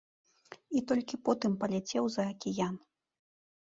І толькі потым паляцеў за акіян.